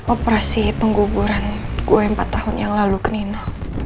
operasi pengguguran gue empat tahun yang lalu ke nino